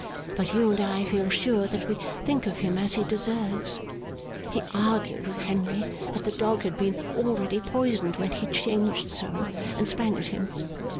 But you and I feel sure that we think of him as he deserves. He argued with Henry that the dog had been already poisoned when he changed so, and sprang at him.